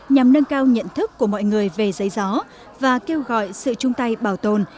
nhằm nâng cao nhận thức của mọi người về giấy gió và kêu gọi sự chung tay bảo tồn